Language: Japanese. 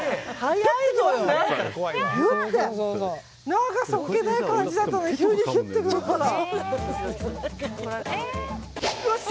何かそっけない感じだったのに急にヒュッてくるから。